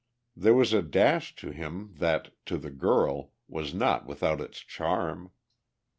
There was a dash to him that, to the girl, was not without its charm.